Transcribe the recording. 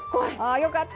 よかった！